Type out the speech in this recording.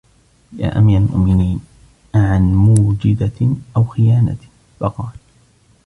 يَا أَمِيرَ الْمُؤْمِنِينَ أَعَنْ مُوجِدَةٍ أَوْ خِيَانَةٍ ؟ فَقَالَ